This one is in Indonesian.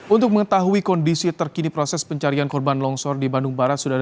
untuk mengetahui kondisi terkini proses pencarian korban longsor di bandung barat